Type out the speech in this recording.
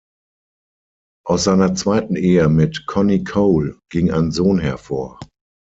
Aus seiner zweiten Ehe mit Connie Cole ging ein Sohn hervor.